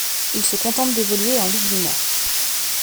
Il se contente d'évoluer en ligues mineures.